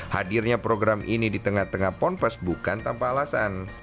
hadirnya program ini di tengah tengah ponpes bukan tanpa alasan